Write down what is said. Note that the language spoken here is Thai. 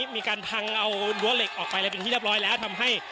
มีการพังเอารั้วเหล็กออกไปเลยเป็นที่เรียบร้อยแล้วทำให้